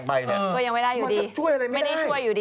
ก็ยังไม่ได้อยู่ดี